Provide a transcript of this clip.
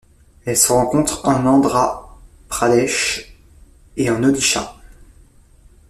Elle se rencontre en Andhra Pradesh et en Odisha.